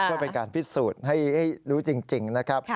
เพื่อเป็นการพิสูจน์ให้รู้จริงนะครับ